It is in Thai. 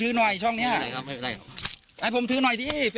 โอเคครับครับครับครับครับครับครับ